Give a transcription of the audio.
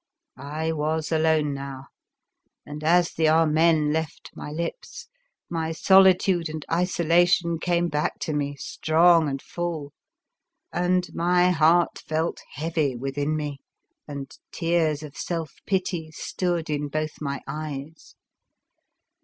I was alone now, and as the " Amen " left my lips my soli tude and isolation came back to me strong and full, and my heart felt heavy within me and tears of self pity stood in both my eyes.